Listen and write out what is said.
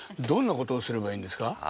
どんなことをすればいいんですか？